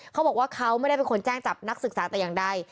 เขาบอกว่าเขาไม่ได้เป็นคนแจ้งจับนักศึกษาแต่อย่างใด